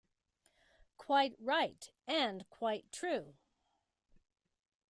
Quite right, and quite true.